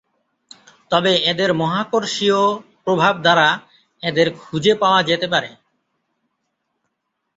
তবে এদের মহাকর্ষীয় প্রভাব দ্বারা এদের খুজে পাওয়া যেতে পারে।